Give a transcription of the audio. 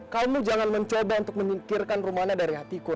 kamu jangan mencoba untuk menyingkirkan rumahnya dari hatiku